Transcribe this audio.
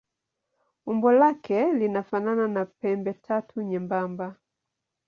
Umbo lake linafanana na pembetatu nyembamba.